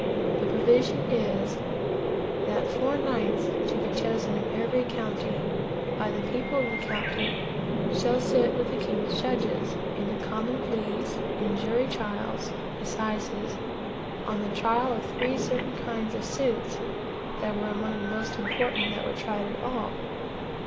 The provision is, that four knights, to be chosen in every county, by the people of the county, shall sit with the king's judges, in the Common Pleas, in jury trials, (assizes,) on the trial of three certain kinds of suits, that were among the most important that were tried at all.